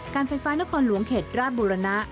การไฟฟ้านครหลวงเข็ดราชบุรณะ